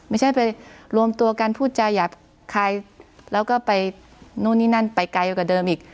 ไม่ใช่ไปรวมตัวกันพูดจาหยาบคายแล้วก็ไปนู่นนี่นั่นไปไกลกว่าเดิมอีก